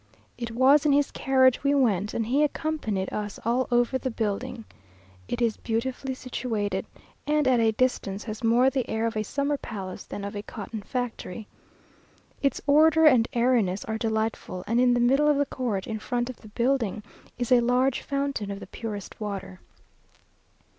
It was in his carriage we went, and he accompanied us all over the building. It is beautifully situated, and at a distance has more the air of a summer palace than of a cotton factory. Its order and airiness are delightful, and in the middle of the court, in front of the building, is a large fountain of the purest water.